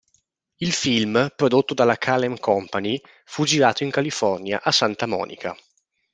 Il film, prodotto dalla Kalem Company, fu girato in California, a Santa Monica.